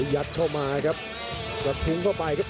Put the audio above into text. ยัดเข้ามาครับกระทุ้งเข้าไปครับ